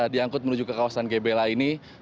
diangkut menuju ke kawasan gebela ini